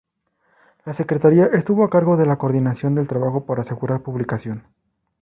La secretaría estuvo a cargo de la coordinación del trabajo para asegurar publicación.